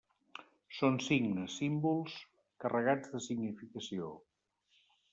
Són signes, símbols carregats de significació.